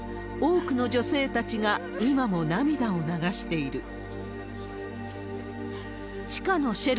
多くの女性たちが今も涙を流している。